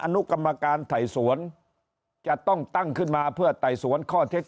อนุกรรมการไถ่สวนจะต้องตั้งขึ้นมาเพื่อไต่สวนข้อเท็จจริง